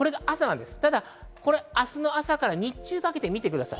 明日の朝から日中にかけて見てください。